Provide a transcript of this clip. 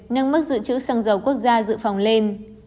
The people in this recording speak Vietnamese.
nâng mức dự trữ xăng dầu quốc gia dự phòng lên